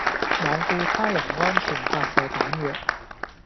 罔顧他人安全發射彈藥